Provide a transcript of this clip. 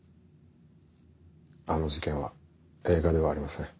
あの事件は映画ではありません。